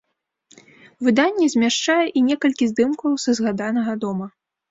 Выданне змяшчае і некалькі здымкаў са згаданага дома.